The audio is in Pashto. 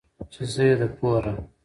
،چې زه يې د پوره